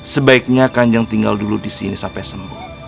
sebaiknya kanjung tinggal dulu disini sampai sembuh